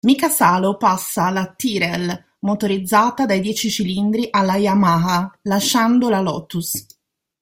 Mika Salo passa alla Tyrrell, motorizzata dai dieci cilindri della Yamaha, lasciando la Lotus.